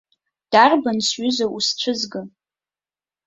Дарбан, сҩыза, усцәызга.